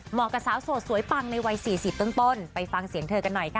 เหมาะกับสาวสวดสวยปังในวัย๔๐ต้นไปฟังเสียงเธอกันหน่อยค่ะ